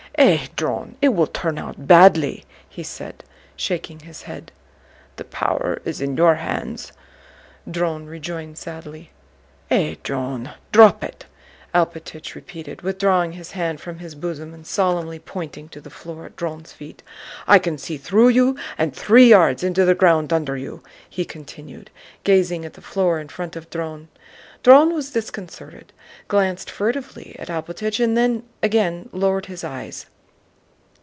"Eh, Dron, it will turn out badly!" he said, shaking his head. "The power is in your hands," Dron rejoined sadly. "Eh, Dron, drop it!" Alpátych repeated, withdrawing his hand from his bosom and solemnly pointing to the floor at Dron's feet. "I can see through you and three yards into the ground under you," he continued, gazing at the floor in front of Dron. Dron was disconcerted, glanced furtively at Alpátych and again lowered his eyes.